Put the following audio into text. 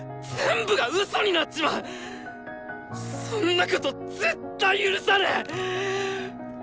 そんなこと絶対許さねぇ！